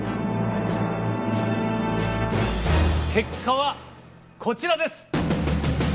結果はこちらです！